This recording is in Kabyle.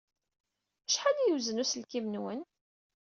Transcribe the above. Acḥal ay yewzen uselkim-nwen?